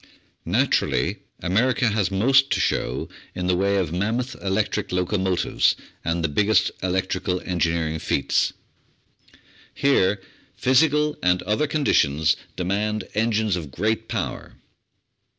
Naturally, America has most to show in the way of mam moth electric locomotives and the biggest electrical engineering feats. Here physical and other conditions demand engines of great power.